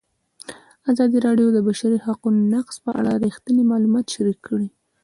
ازادي راډیو د د بشري حقونو نقض په اړه رښتیني معلومات شریک کړي.